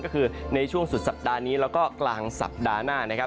ก็คือในช่วงสุดสัปดาห์นี้แล้วก็กลางสัปดาห์หน้านะครับ